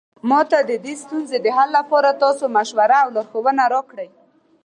ما ته د دې ستونزې د حل لپاره تاسو مشوره او لارښوونه راکړئ